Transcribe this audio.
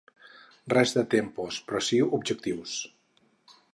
Res de tempos, però sí objectius.